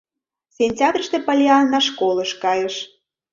Сентябрьыште Поллианна школыш кайыш.